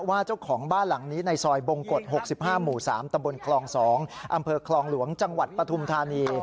ว่าเจ้าของบ้านหลังนี้ในซอยบงกฎหกสิบห้าหมู่สามตำบลคลองสองอำเภอคลองหลวงจังหวัดปทุมธานี